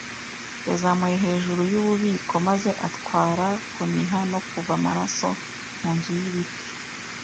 yazamuye hejuru yububiko maze atwara, kuniha no kuva amaraso, mu nzu y'ibiti.